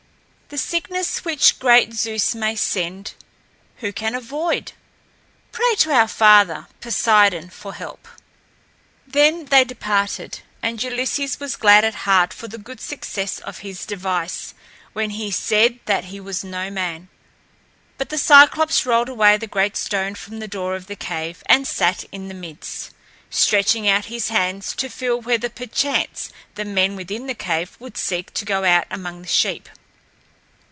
The sickness which great Zeus may send, who can avoid? Pray to our father, Poseidon, for help." Then they departed, and Ulysses was glad at heart for the good success of his device when he said that he was No Man. But the Cyclops rolled away the great stone from the door of the cave and sat in the midst, stretching out his hands to feel whether perchance the men within the cave would seek to go out among the sheep.